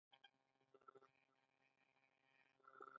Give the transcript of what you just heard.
کوتره په ونو کې ځاله جوړوي.